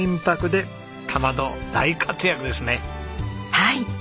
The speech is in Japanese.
はい。